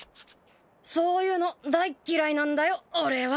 そういうの大っ嫌いなんだよ俺は。